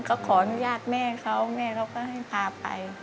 ก็ขออนุญาตแม่เขาแม่เขาก็ให้พาไป